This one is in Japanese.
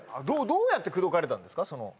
どうやって口説かれたんですか？